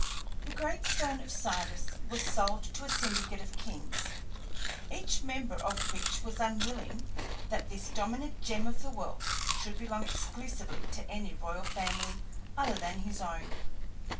The Great Stone of Sardis was sold to a syndicate of kings, each member of which was unwilling that this dominant gem of the world should belong exclusively to any royal family other than his own.